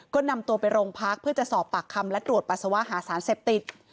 ก็นำตัวไปโรงพักเพื่อจะสอบปากคำและตรวจปัสสาวะหาสารเสพติด